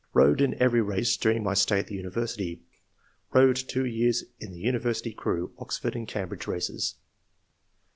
rowed in every race during my stay at the university ; rowed two years in the university crew [Oxford and Cambridge races.